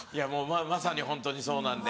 まさにホントにそうなんで。